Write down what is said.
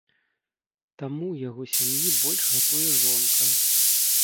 Таму ў яго сям'і больш гатуе жонка.